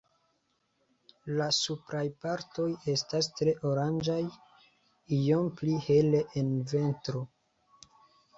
La supraj partoj estas tre oranĝaj, iom pli hele en ventro.